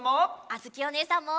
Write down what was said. あづきおねえさんも！